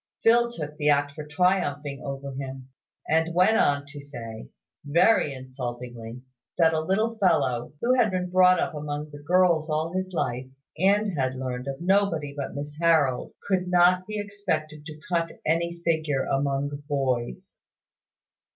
Phil took the act for triumphing over him, and went on to say, very insultingly, that a little fellow who had been brought up among the girls all his life, and had learned of nobody but Miss Harold, could not be expected to cut any figure among boys.